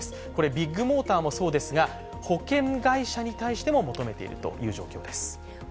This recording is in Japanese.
ビッグモーターもそうですが、保険会社に対しても求めているということです。